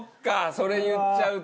それ言っちゃうと。